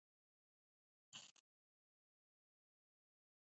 Los actos principales son las misas, procesiones, verbenas y bailes en la plaza.